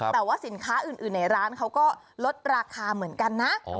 แต่ว่าสินค้าอื่นในร้านเขาก็ลดราคาเหมือนกันนะ